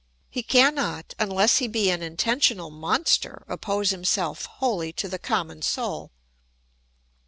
He cannot, unless he be an intentional monster, oppose himself wholly to the common soul.